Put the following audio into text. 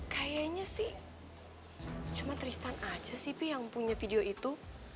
kayaknya sih cuma tristan aja sih yang punya video itu